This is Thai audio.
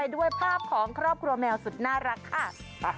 ด้วยภาพของครอบครัวแมวสุดน่ารักค่ะ